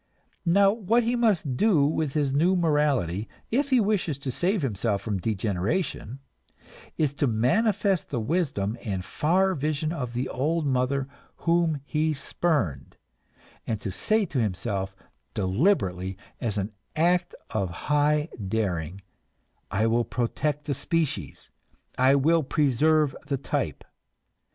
Now what he must do with his new morality, if he wishes to save himself from degeneration, is to manifest the wisdom and far vision of the old mother whom he spurned, and to say to himself, deliberately, as an act of high daring: I will protect the species, I will preserve the type!